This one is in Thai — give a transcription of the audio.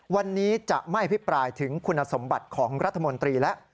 วันนี้จะไม่อภิปรายถึงคุณสมบัติของรัฐมนตรีแล้ว